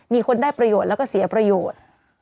มีคนได้ประโยชน์แล้วก็เสียประโยชน์